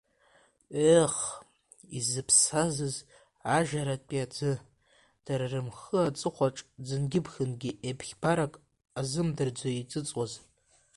Еех, изыԥсазыз ажаратәи аӡы, дара рымхы аҵыхәаҿ, ӡынгьы-ԥхынгьы еиԥхьбарак азымдырӡо иҵыҵуаз.